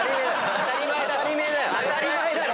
当たり前だろ！